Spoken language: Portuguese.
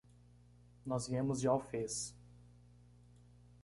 Nós viemos de Alfés.